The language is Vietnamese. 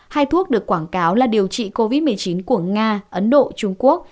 hai thuốc được quảng cáo là điều trị covid một mươi chín của nga ấn độ trung quốc